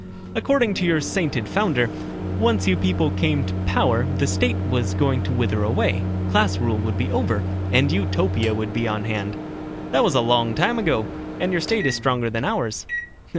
"According to your sainted founder, once you people came to power the State was going to wither away, class rule would be over, and Utopia be on hand. That was a long time ago, and your State is stronger than ours."